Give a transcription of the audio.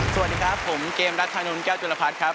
สวัสดีครับผมเกมรัฐธานนท์แก้วจุลพัฒน์ครับ